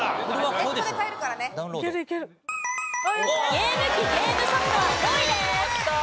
ゲーム機ゲームソフトは５位です。